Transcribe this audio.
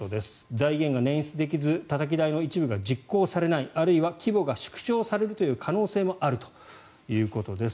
財源が捻出できずたたき台の一部が実行されないあるいは規模が縮小されるという可能性もあるということです。